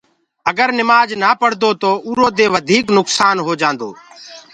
اگر نمآج نآ پڙدو تو اُرو دي وڌيٚڪ نُڪسآن هو جآندو